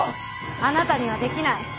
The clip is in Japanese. あなたにはできない。